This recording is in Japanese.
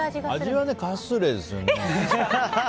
味はカスレですね。